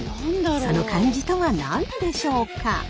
その漢字とは何でしょうか？